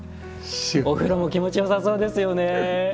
お風呂も気持ちよさそうですよね。